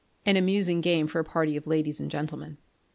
An amusing game for a party of ladies and gentlemen.